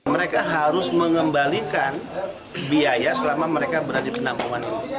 mereka harus mengembalikan biaya selama mereka berada di penampungan ini